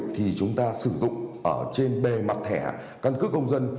thì chúng ta sử dụng ở trên bề mặt thẻ căn cước công dân